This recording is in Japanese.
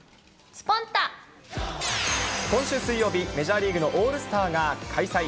今週水曜日、メジャーリーグのオールスターが開催。